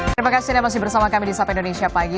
terima kasih anda masih bersama kami di sapa indonesia pagi